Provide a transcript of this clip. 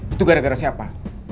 itu gara gara siapa